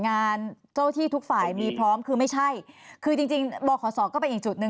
งานที่ทุกฝ่ายมีพร้อมคือไม่ใช่คือจริงบขศก็เป็น